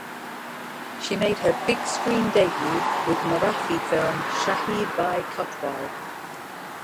She made her big screen debut with Marathi film "Shaheed Bhai Kotwal".